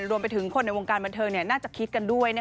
รวมไปถึงคนในวงการบันเทิงน่าจะคิดกันด้วย